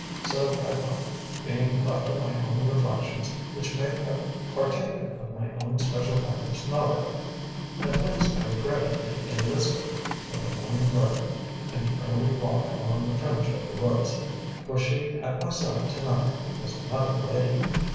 So I thought, being "left to my own reflections," which may have partaken of my own special kind of snobbery; at least I regretted the Elizabeth of the morning garden and the early walk along the fringe of the woods. For she at my side to night was another lady.